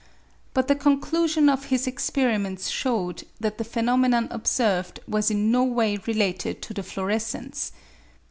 But the conclusion of his experiments showed that the phenomenon observed was in no way related to the fluorescence.